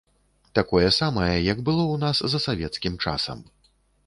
Такое самае, як было ў нас за савецкім часам.